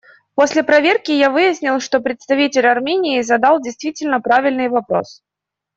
После проверки я выяснил, что представитель Армении задал действительно правильный вопрос.